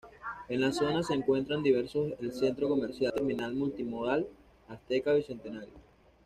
En la zona se encuentran diversos el centro comercial Terminal Multimodal Azteca Bicentenario.